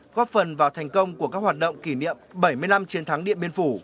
góp phần vào thành công của các hoạt động kỷ niệm bảy mươi năm chiến thắng điện biên phủ